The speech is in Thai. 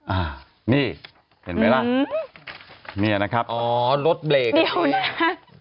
อ่านี่เห็นไหมล่ะเนี่ยนะครับอ๋อรถเบรกเดียวนะฮะ